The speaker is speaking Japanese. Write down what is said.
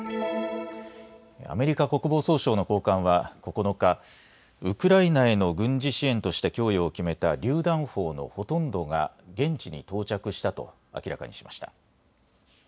アメリカ国防総省の高官は９日、ウクライナへの軍事支援として供与を決めた、りゅう弾砲のほとんどが現地に到着したと明らかにしました。